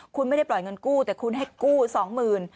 คุณไม่ได้ปล่อยเงินกู้แต่คุณให้กู้สองหมื่น